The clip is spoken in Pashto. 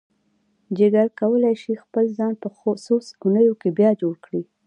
جگر کولی شي خپل ځان په څو اونیو کې بیا جوړ کړي.